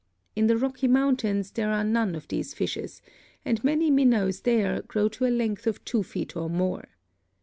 In the Rocky Mountains there are none of these fishes, and many minnows there grow to a length of two feet or more.